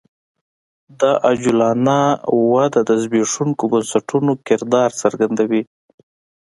دا عجولانه وده د زبېښونکو بنسټونو کردار څرګندوي